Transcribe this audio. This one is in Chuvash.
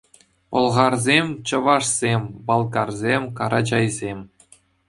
Пӑлхарсем, чӑвашсем, балкарсем, карачайсем.